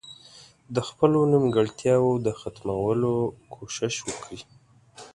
د خپلو نيمګړتياوو د ختمولو کوشش وکړي.